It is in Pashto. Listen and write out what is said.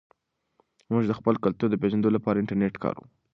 موږ د خپل کلتور د پېژندلو لپاره انټرنیټ کاروو.